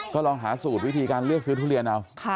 ก็ลองหาสูตรวิธีการเลือกซื้อทุเรียนเอา